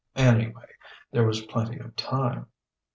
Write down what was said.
anyway, there was plenty of time.